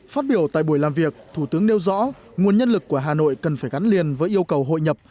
phát biểu tại buổi làm việc thủ tướng nêu rõ nguồn nhân lực của hà nội cần phải gắn liền với yêu cầu hội nhập